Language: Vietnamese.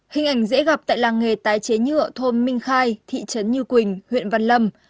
hình ảnh dễ gặp tại làng nghề tái chế nhựa thôn minh khai thị trấn như quỳnh huyện văn lâm